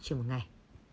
trên một ngày